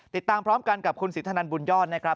ติดตามพร้อมกันกับคุณสิทธนันบุญยอดนะครับ